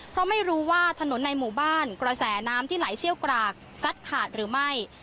เพราะไม่รู้ว่าถนนในหมู่บ้านกระแสน้ำที่ไหลเชี่ยวกรากซัดขาดหรือไม่